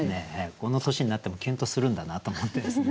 この年になってもキュンとするんだなと思ってですね。